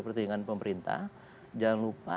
pertunjukan pemerintah jangan lupa